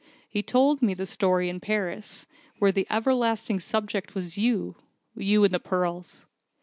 He told me the story in Paris, where the everlasting subject was you you and the pearls.